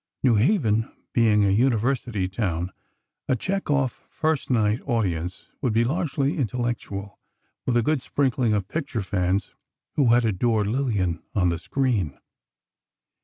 New Haven being a university town, a Chekhov first night audience would be largely intellectual, with a good sprinkling of picture fans who had "adored Lillian on the screen."